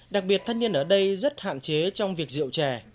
đặc biệt thanh niên ở đây rất hạn chế trong việc diệu trẻ